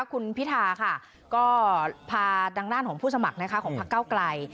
คุณพิธาค่ะก็พาดังด้านของผู้สมัครนะคะของพักเก้าไกล